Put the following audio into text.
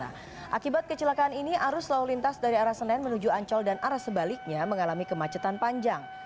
akibat kecelakaan ini arus lalu lintas dari arah senen menuju ancol dan arah sebaliknya mengalami kemacetan panjang